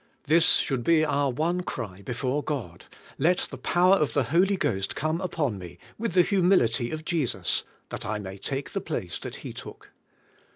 This should be our one cry before God: "Let the power of the Holy Ghost come upon me, with the humility of Jesus, that I may take the place that He took."